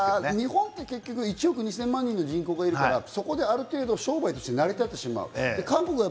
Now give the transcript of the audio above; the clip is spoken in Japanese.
日本は結局１億２０００万人の人口がいるからそこである程度、商売が成り立ってしまう。